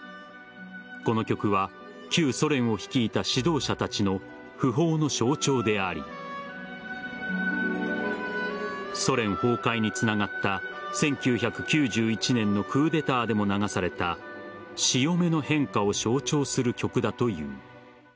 この曲は旧ソ連を率いた指導者たちの訃報の象徴でありソ連崩壊につながった１９９１年のクーデターでも流された潮目の変化を象徴する曲だという。